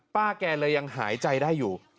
แกเลยยังหายใจได้อยู่